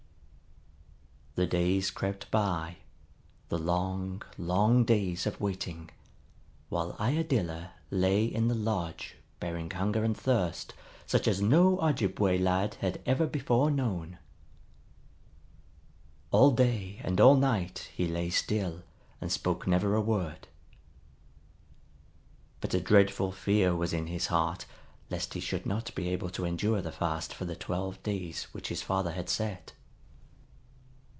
The days crept by, the long, long days of waiting, while Iadilla lay in the lodge bearing hunger and thirst such as no Ojibway lad had ever before known. All day and all night he lay still and spoke never a word. But a dreadful fear was in his heart lest he should not be able to endure the fast for the twelve days which his father had set.